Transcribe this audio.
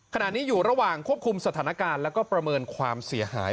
ขณะนี้อยู่ระหว่างควบคุมสถานการณ์แล้วก็ประเมินความเสียหาย